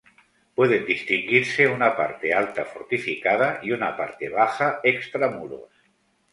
Pueden distinguirse una parte alta, fortificada, y una parte baja extramuros.